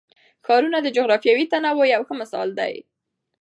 ښارونه د جغرافیوي تنوع یو ښه مثال دی.